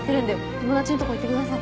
友達のとこ行ってください。